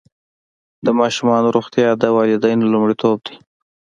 د ماشومانو روغتیا د والدینو لومړیتوب دی.